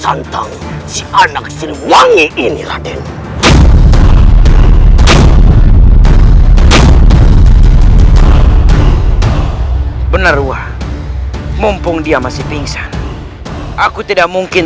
tentang si anak siluwangi ini raden benar uah mumpung dia masih pingsan aku tidak mungkin